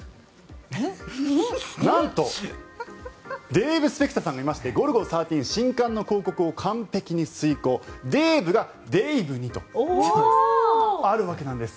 なんとデーブ・スペクターさんがいまして「ゴルゴ１３」の新刊の広告を完璧に遂行「デーブがデイブに！？」とあるわけなんです。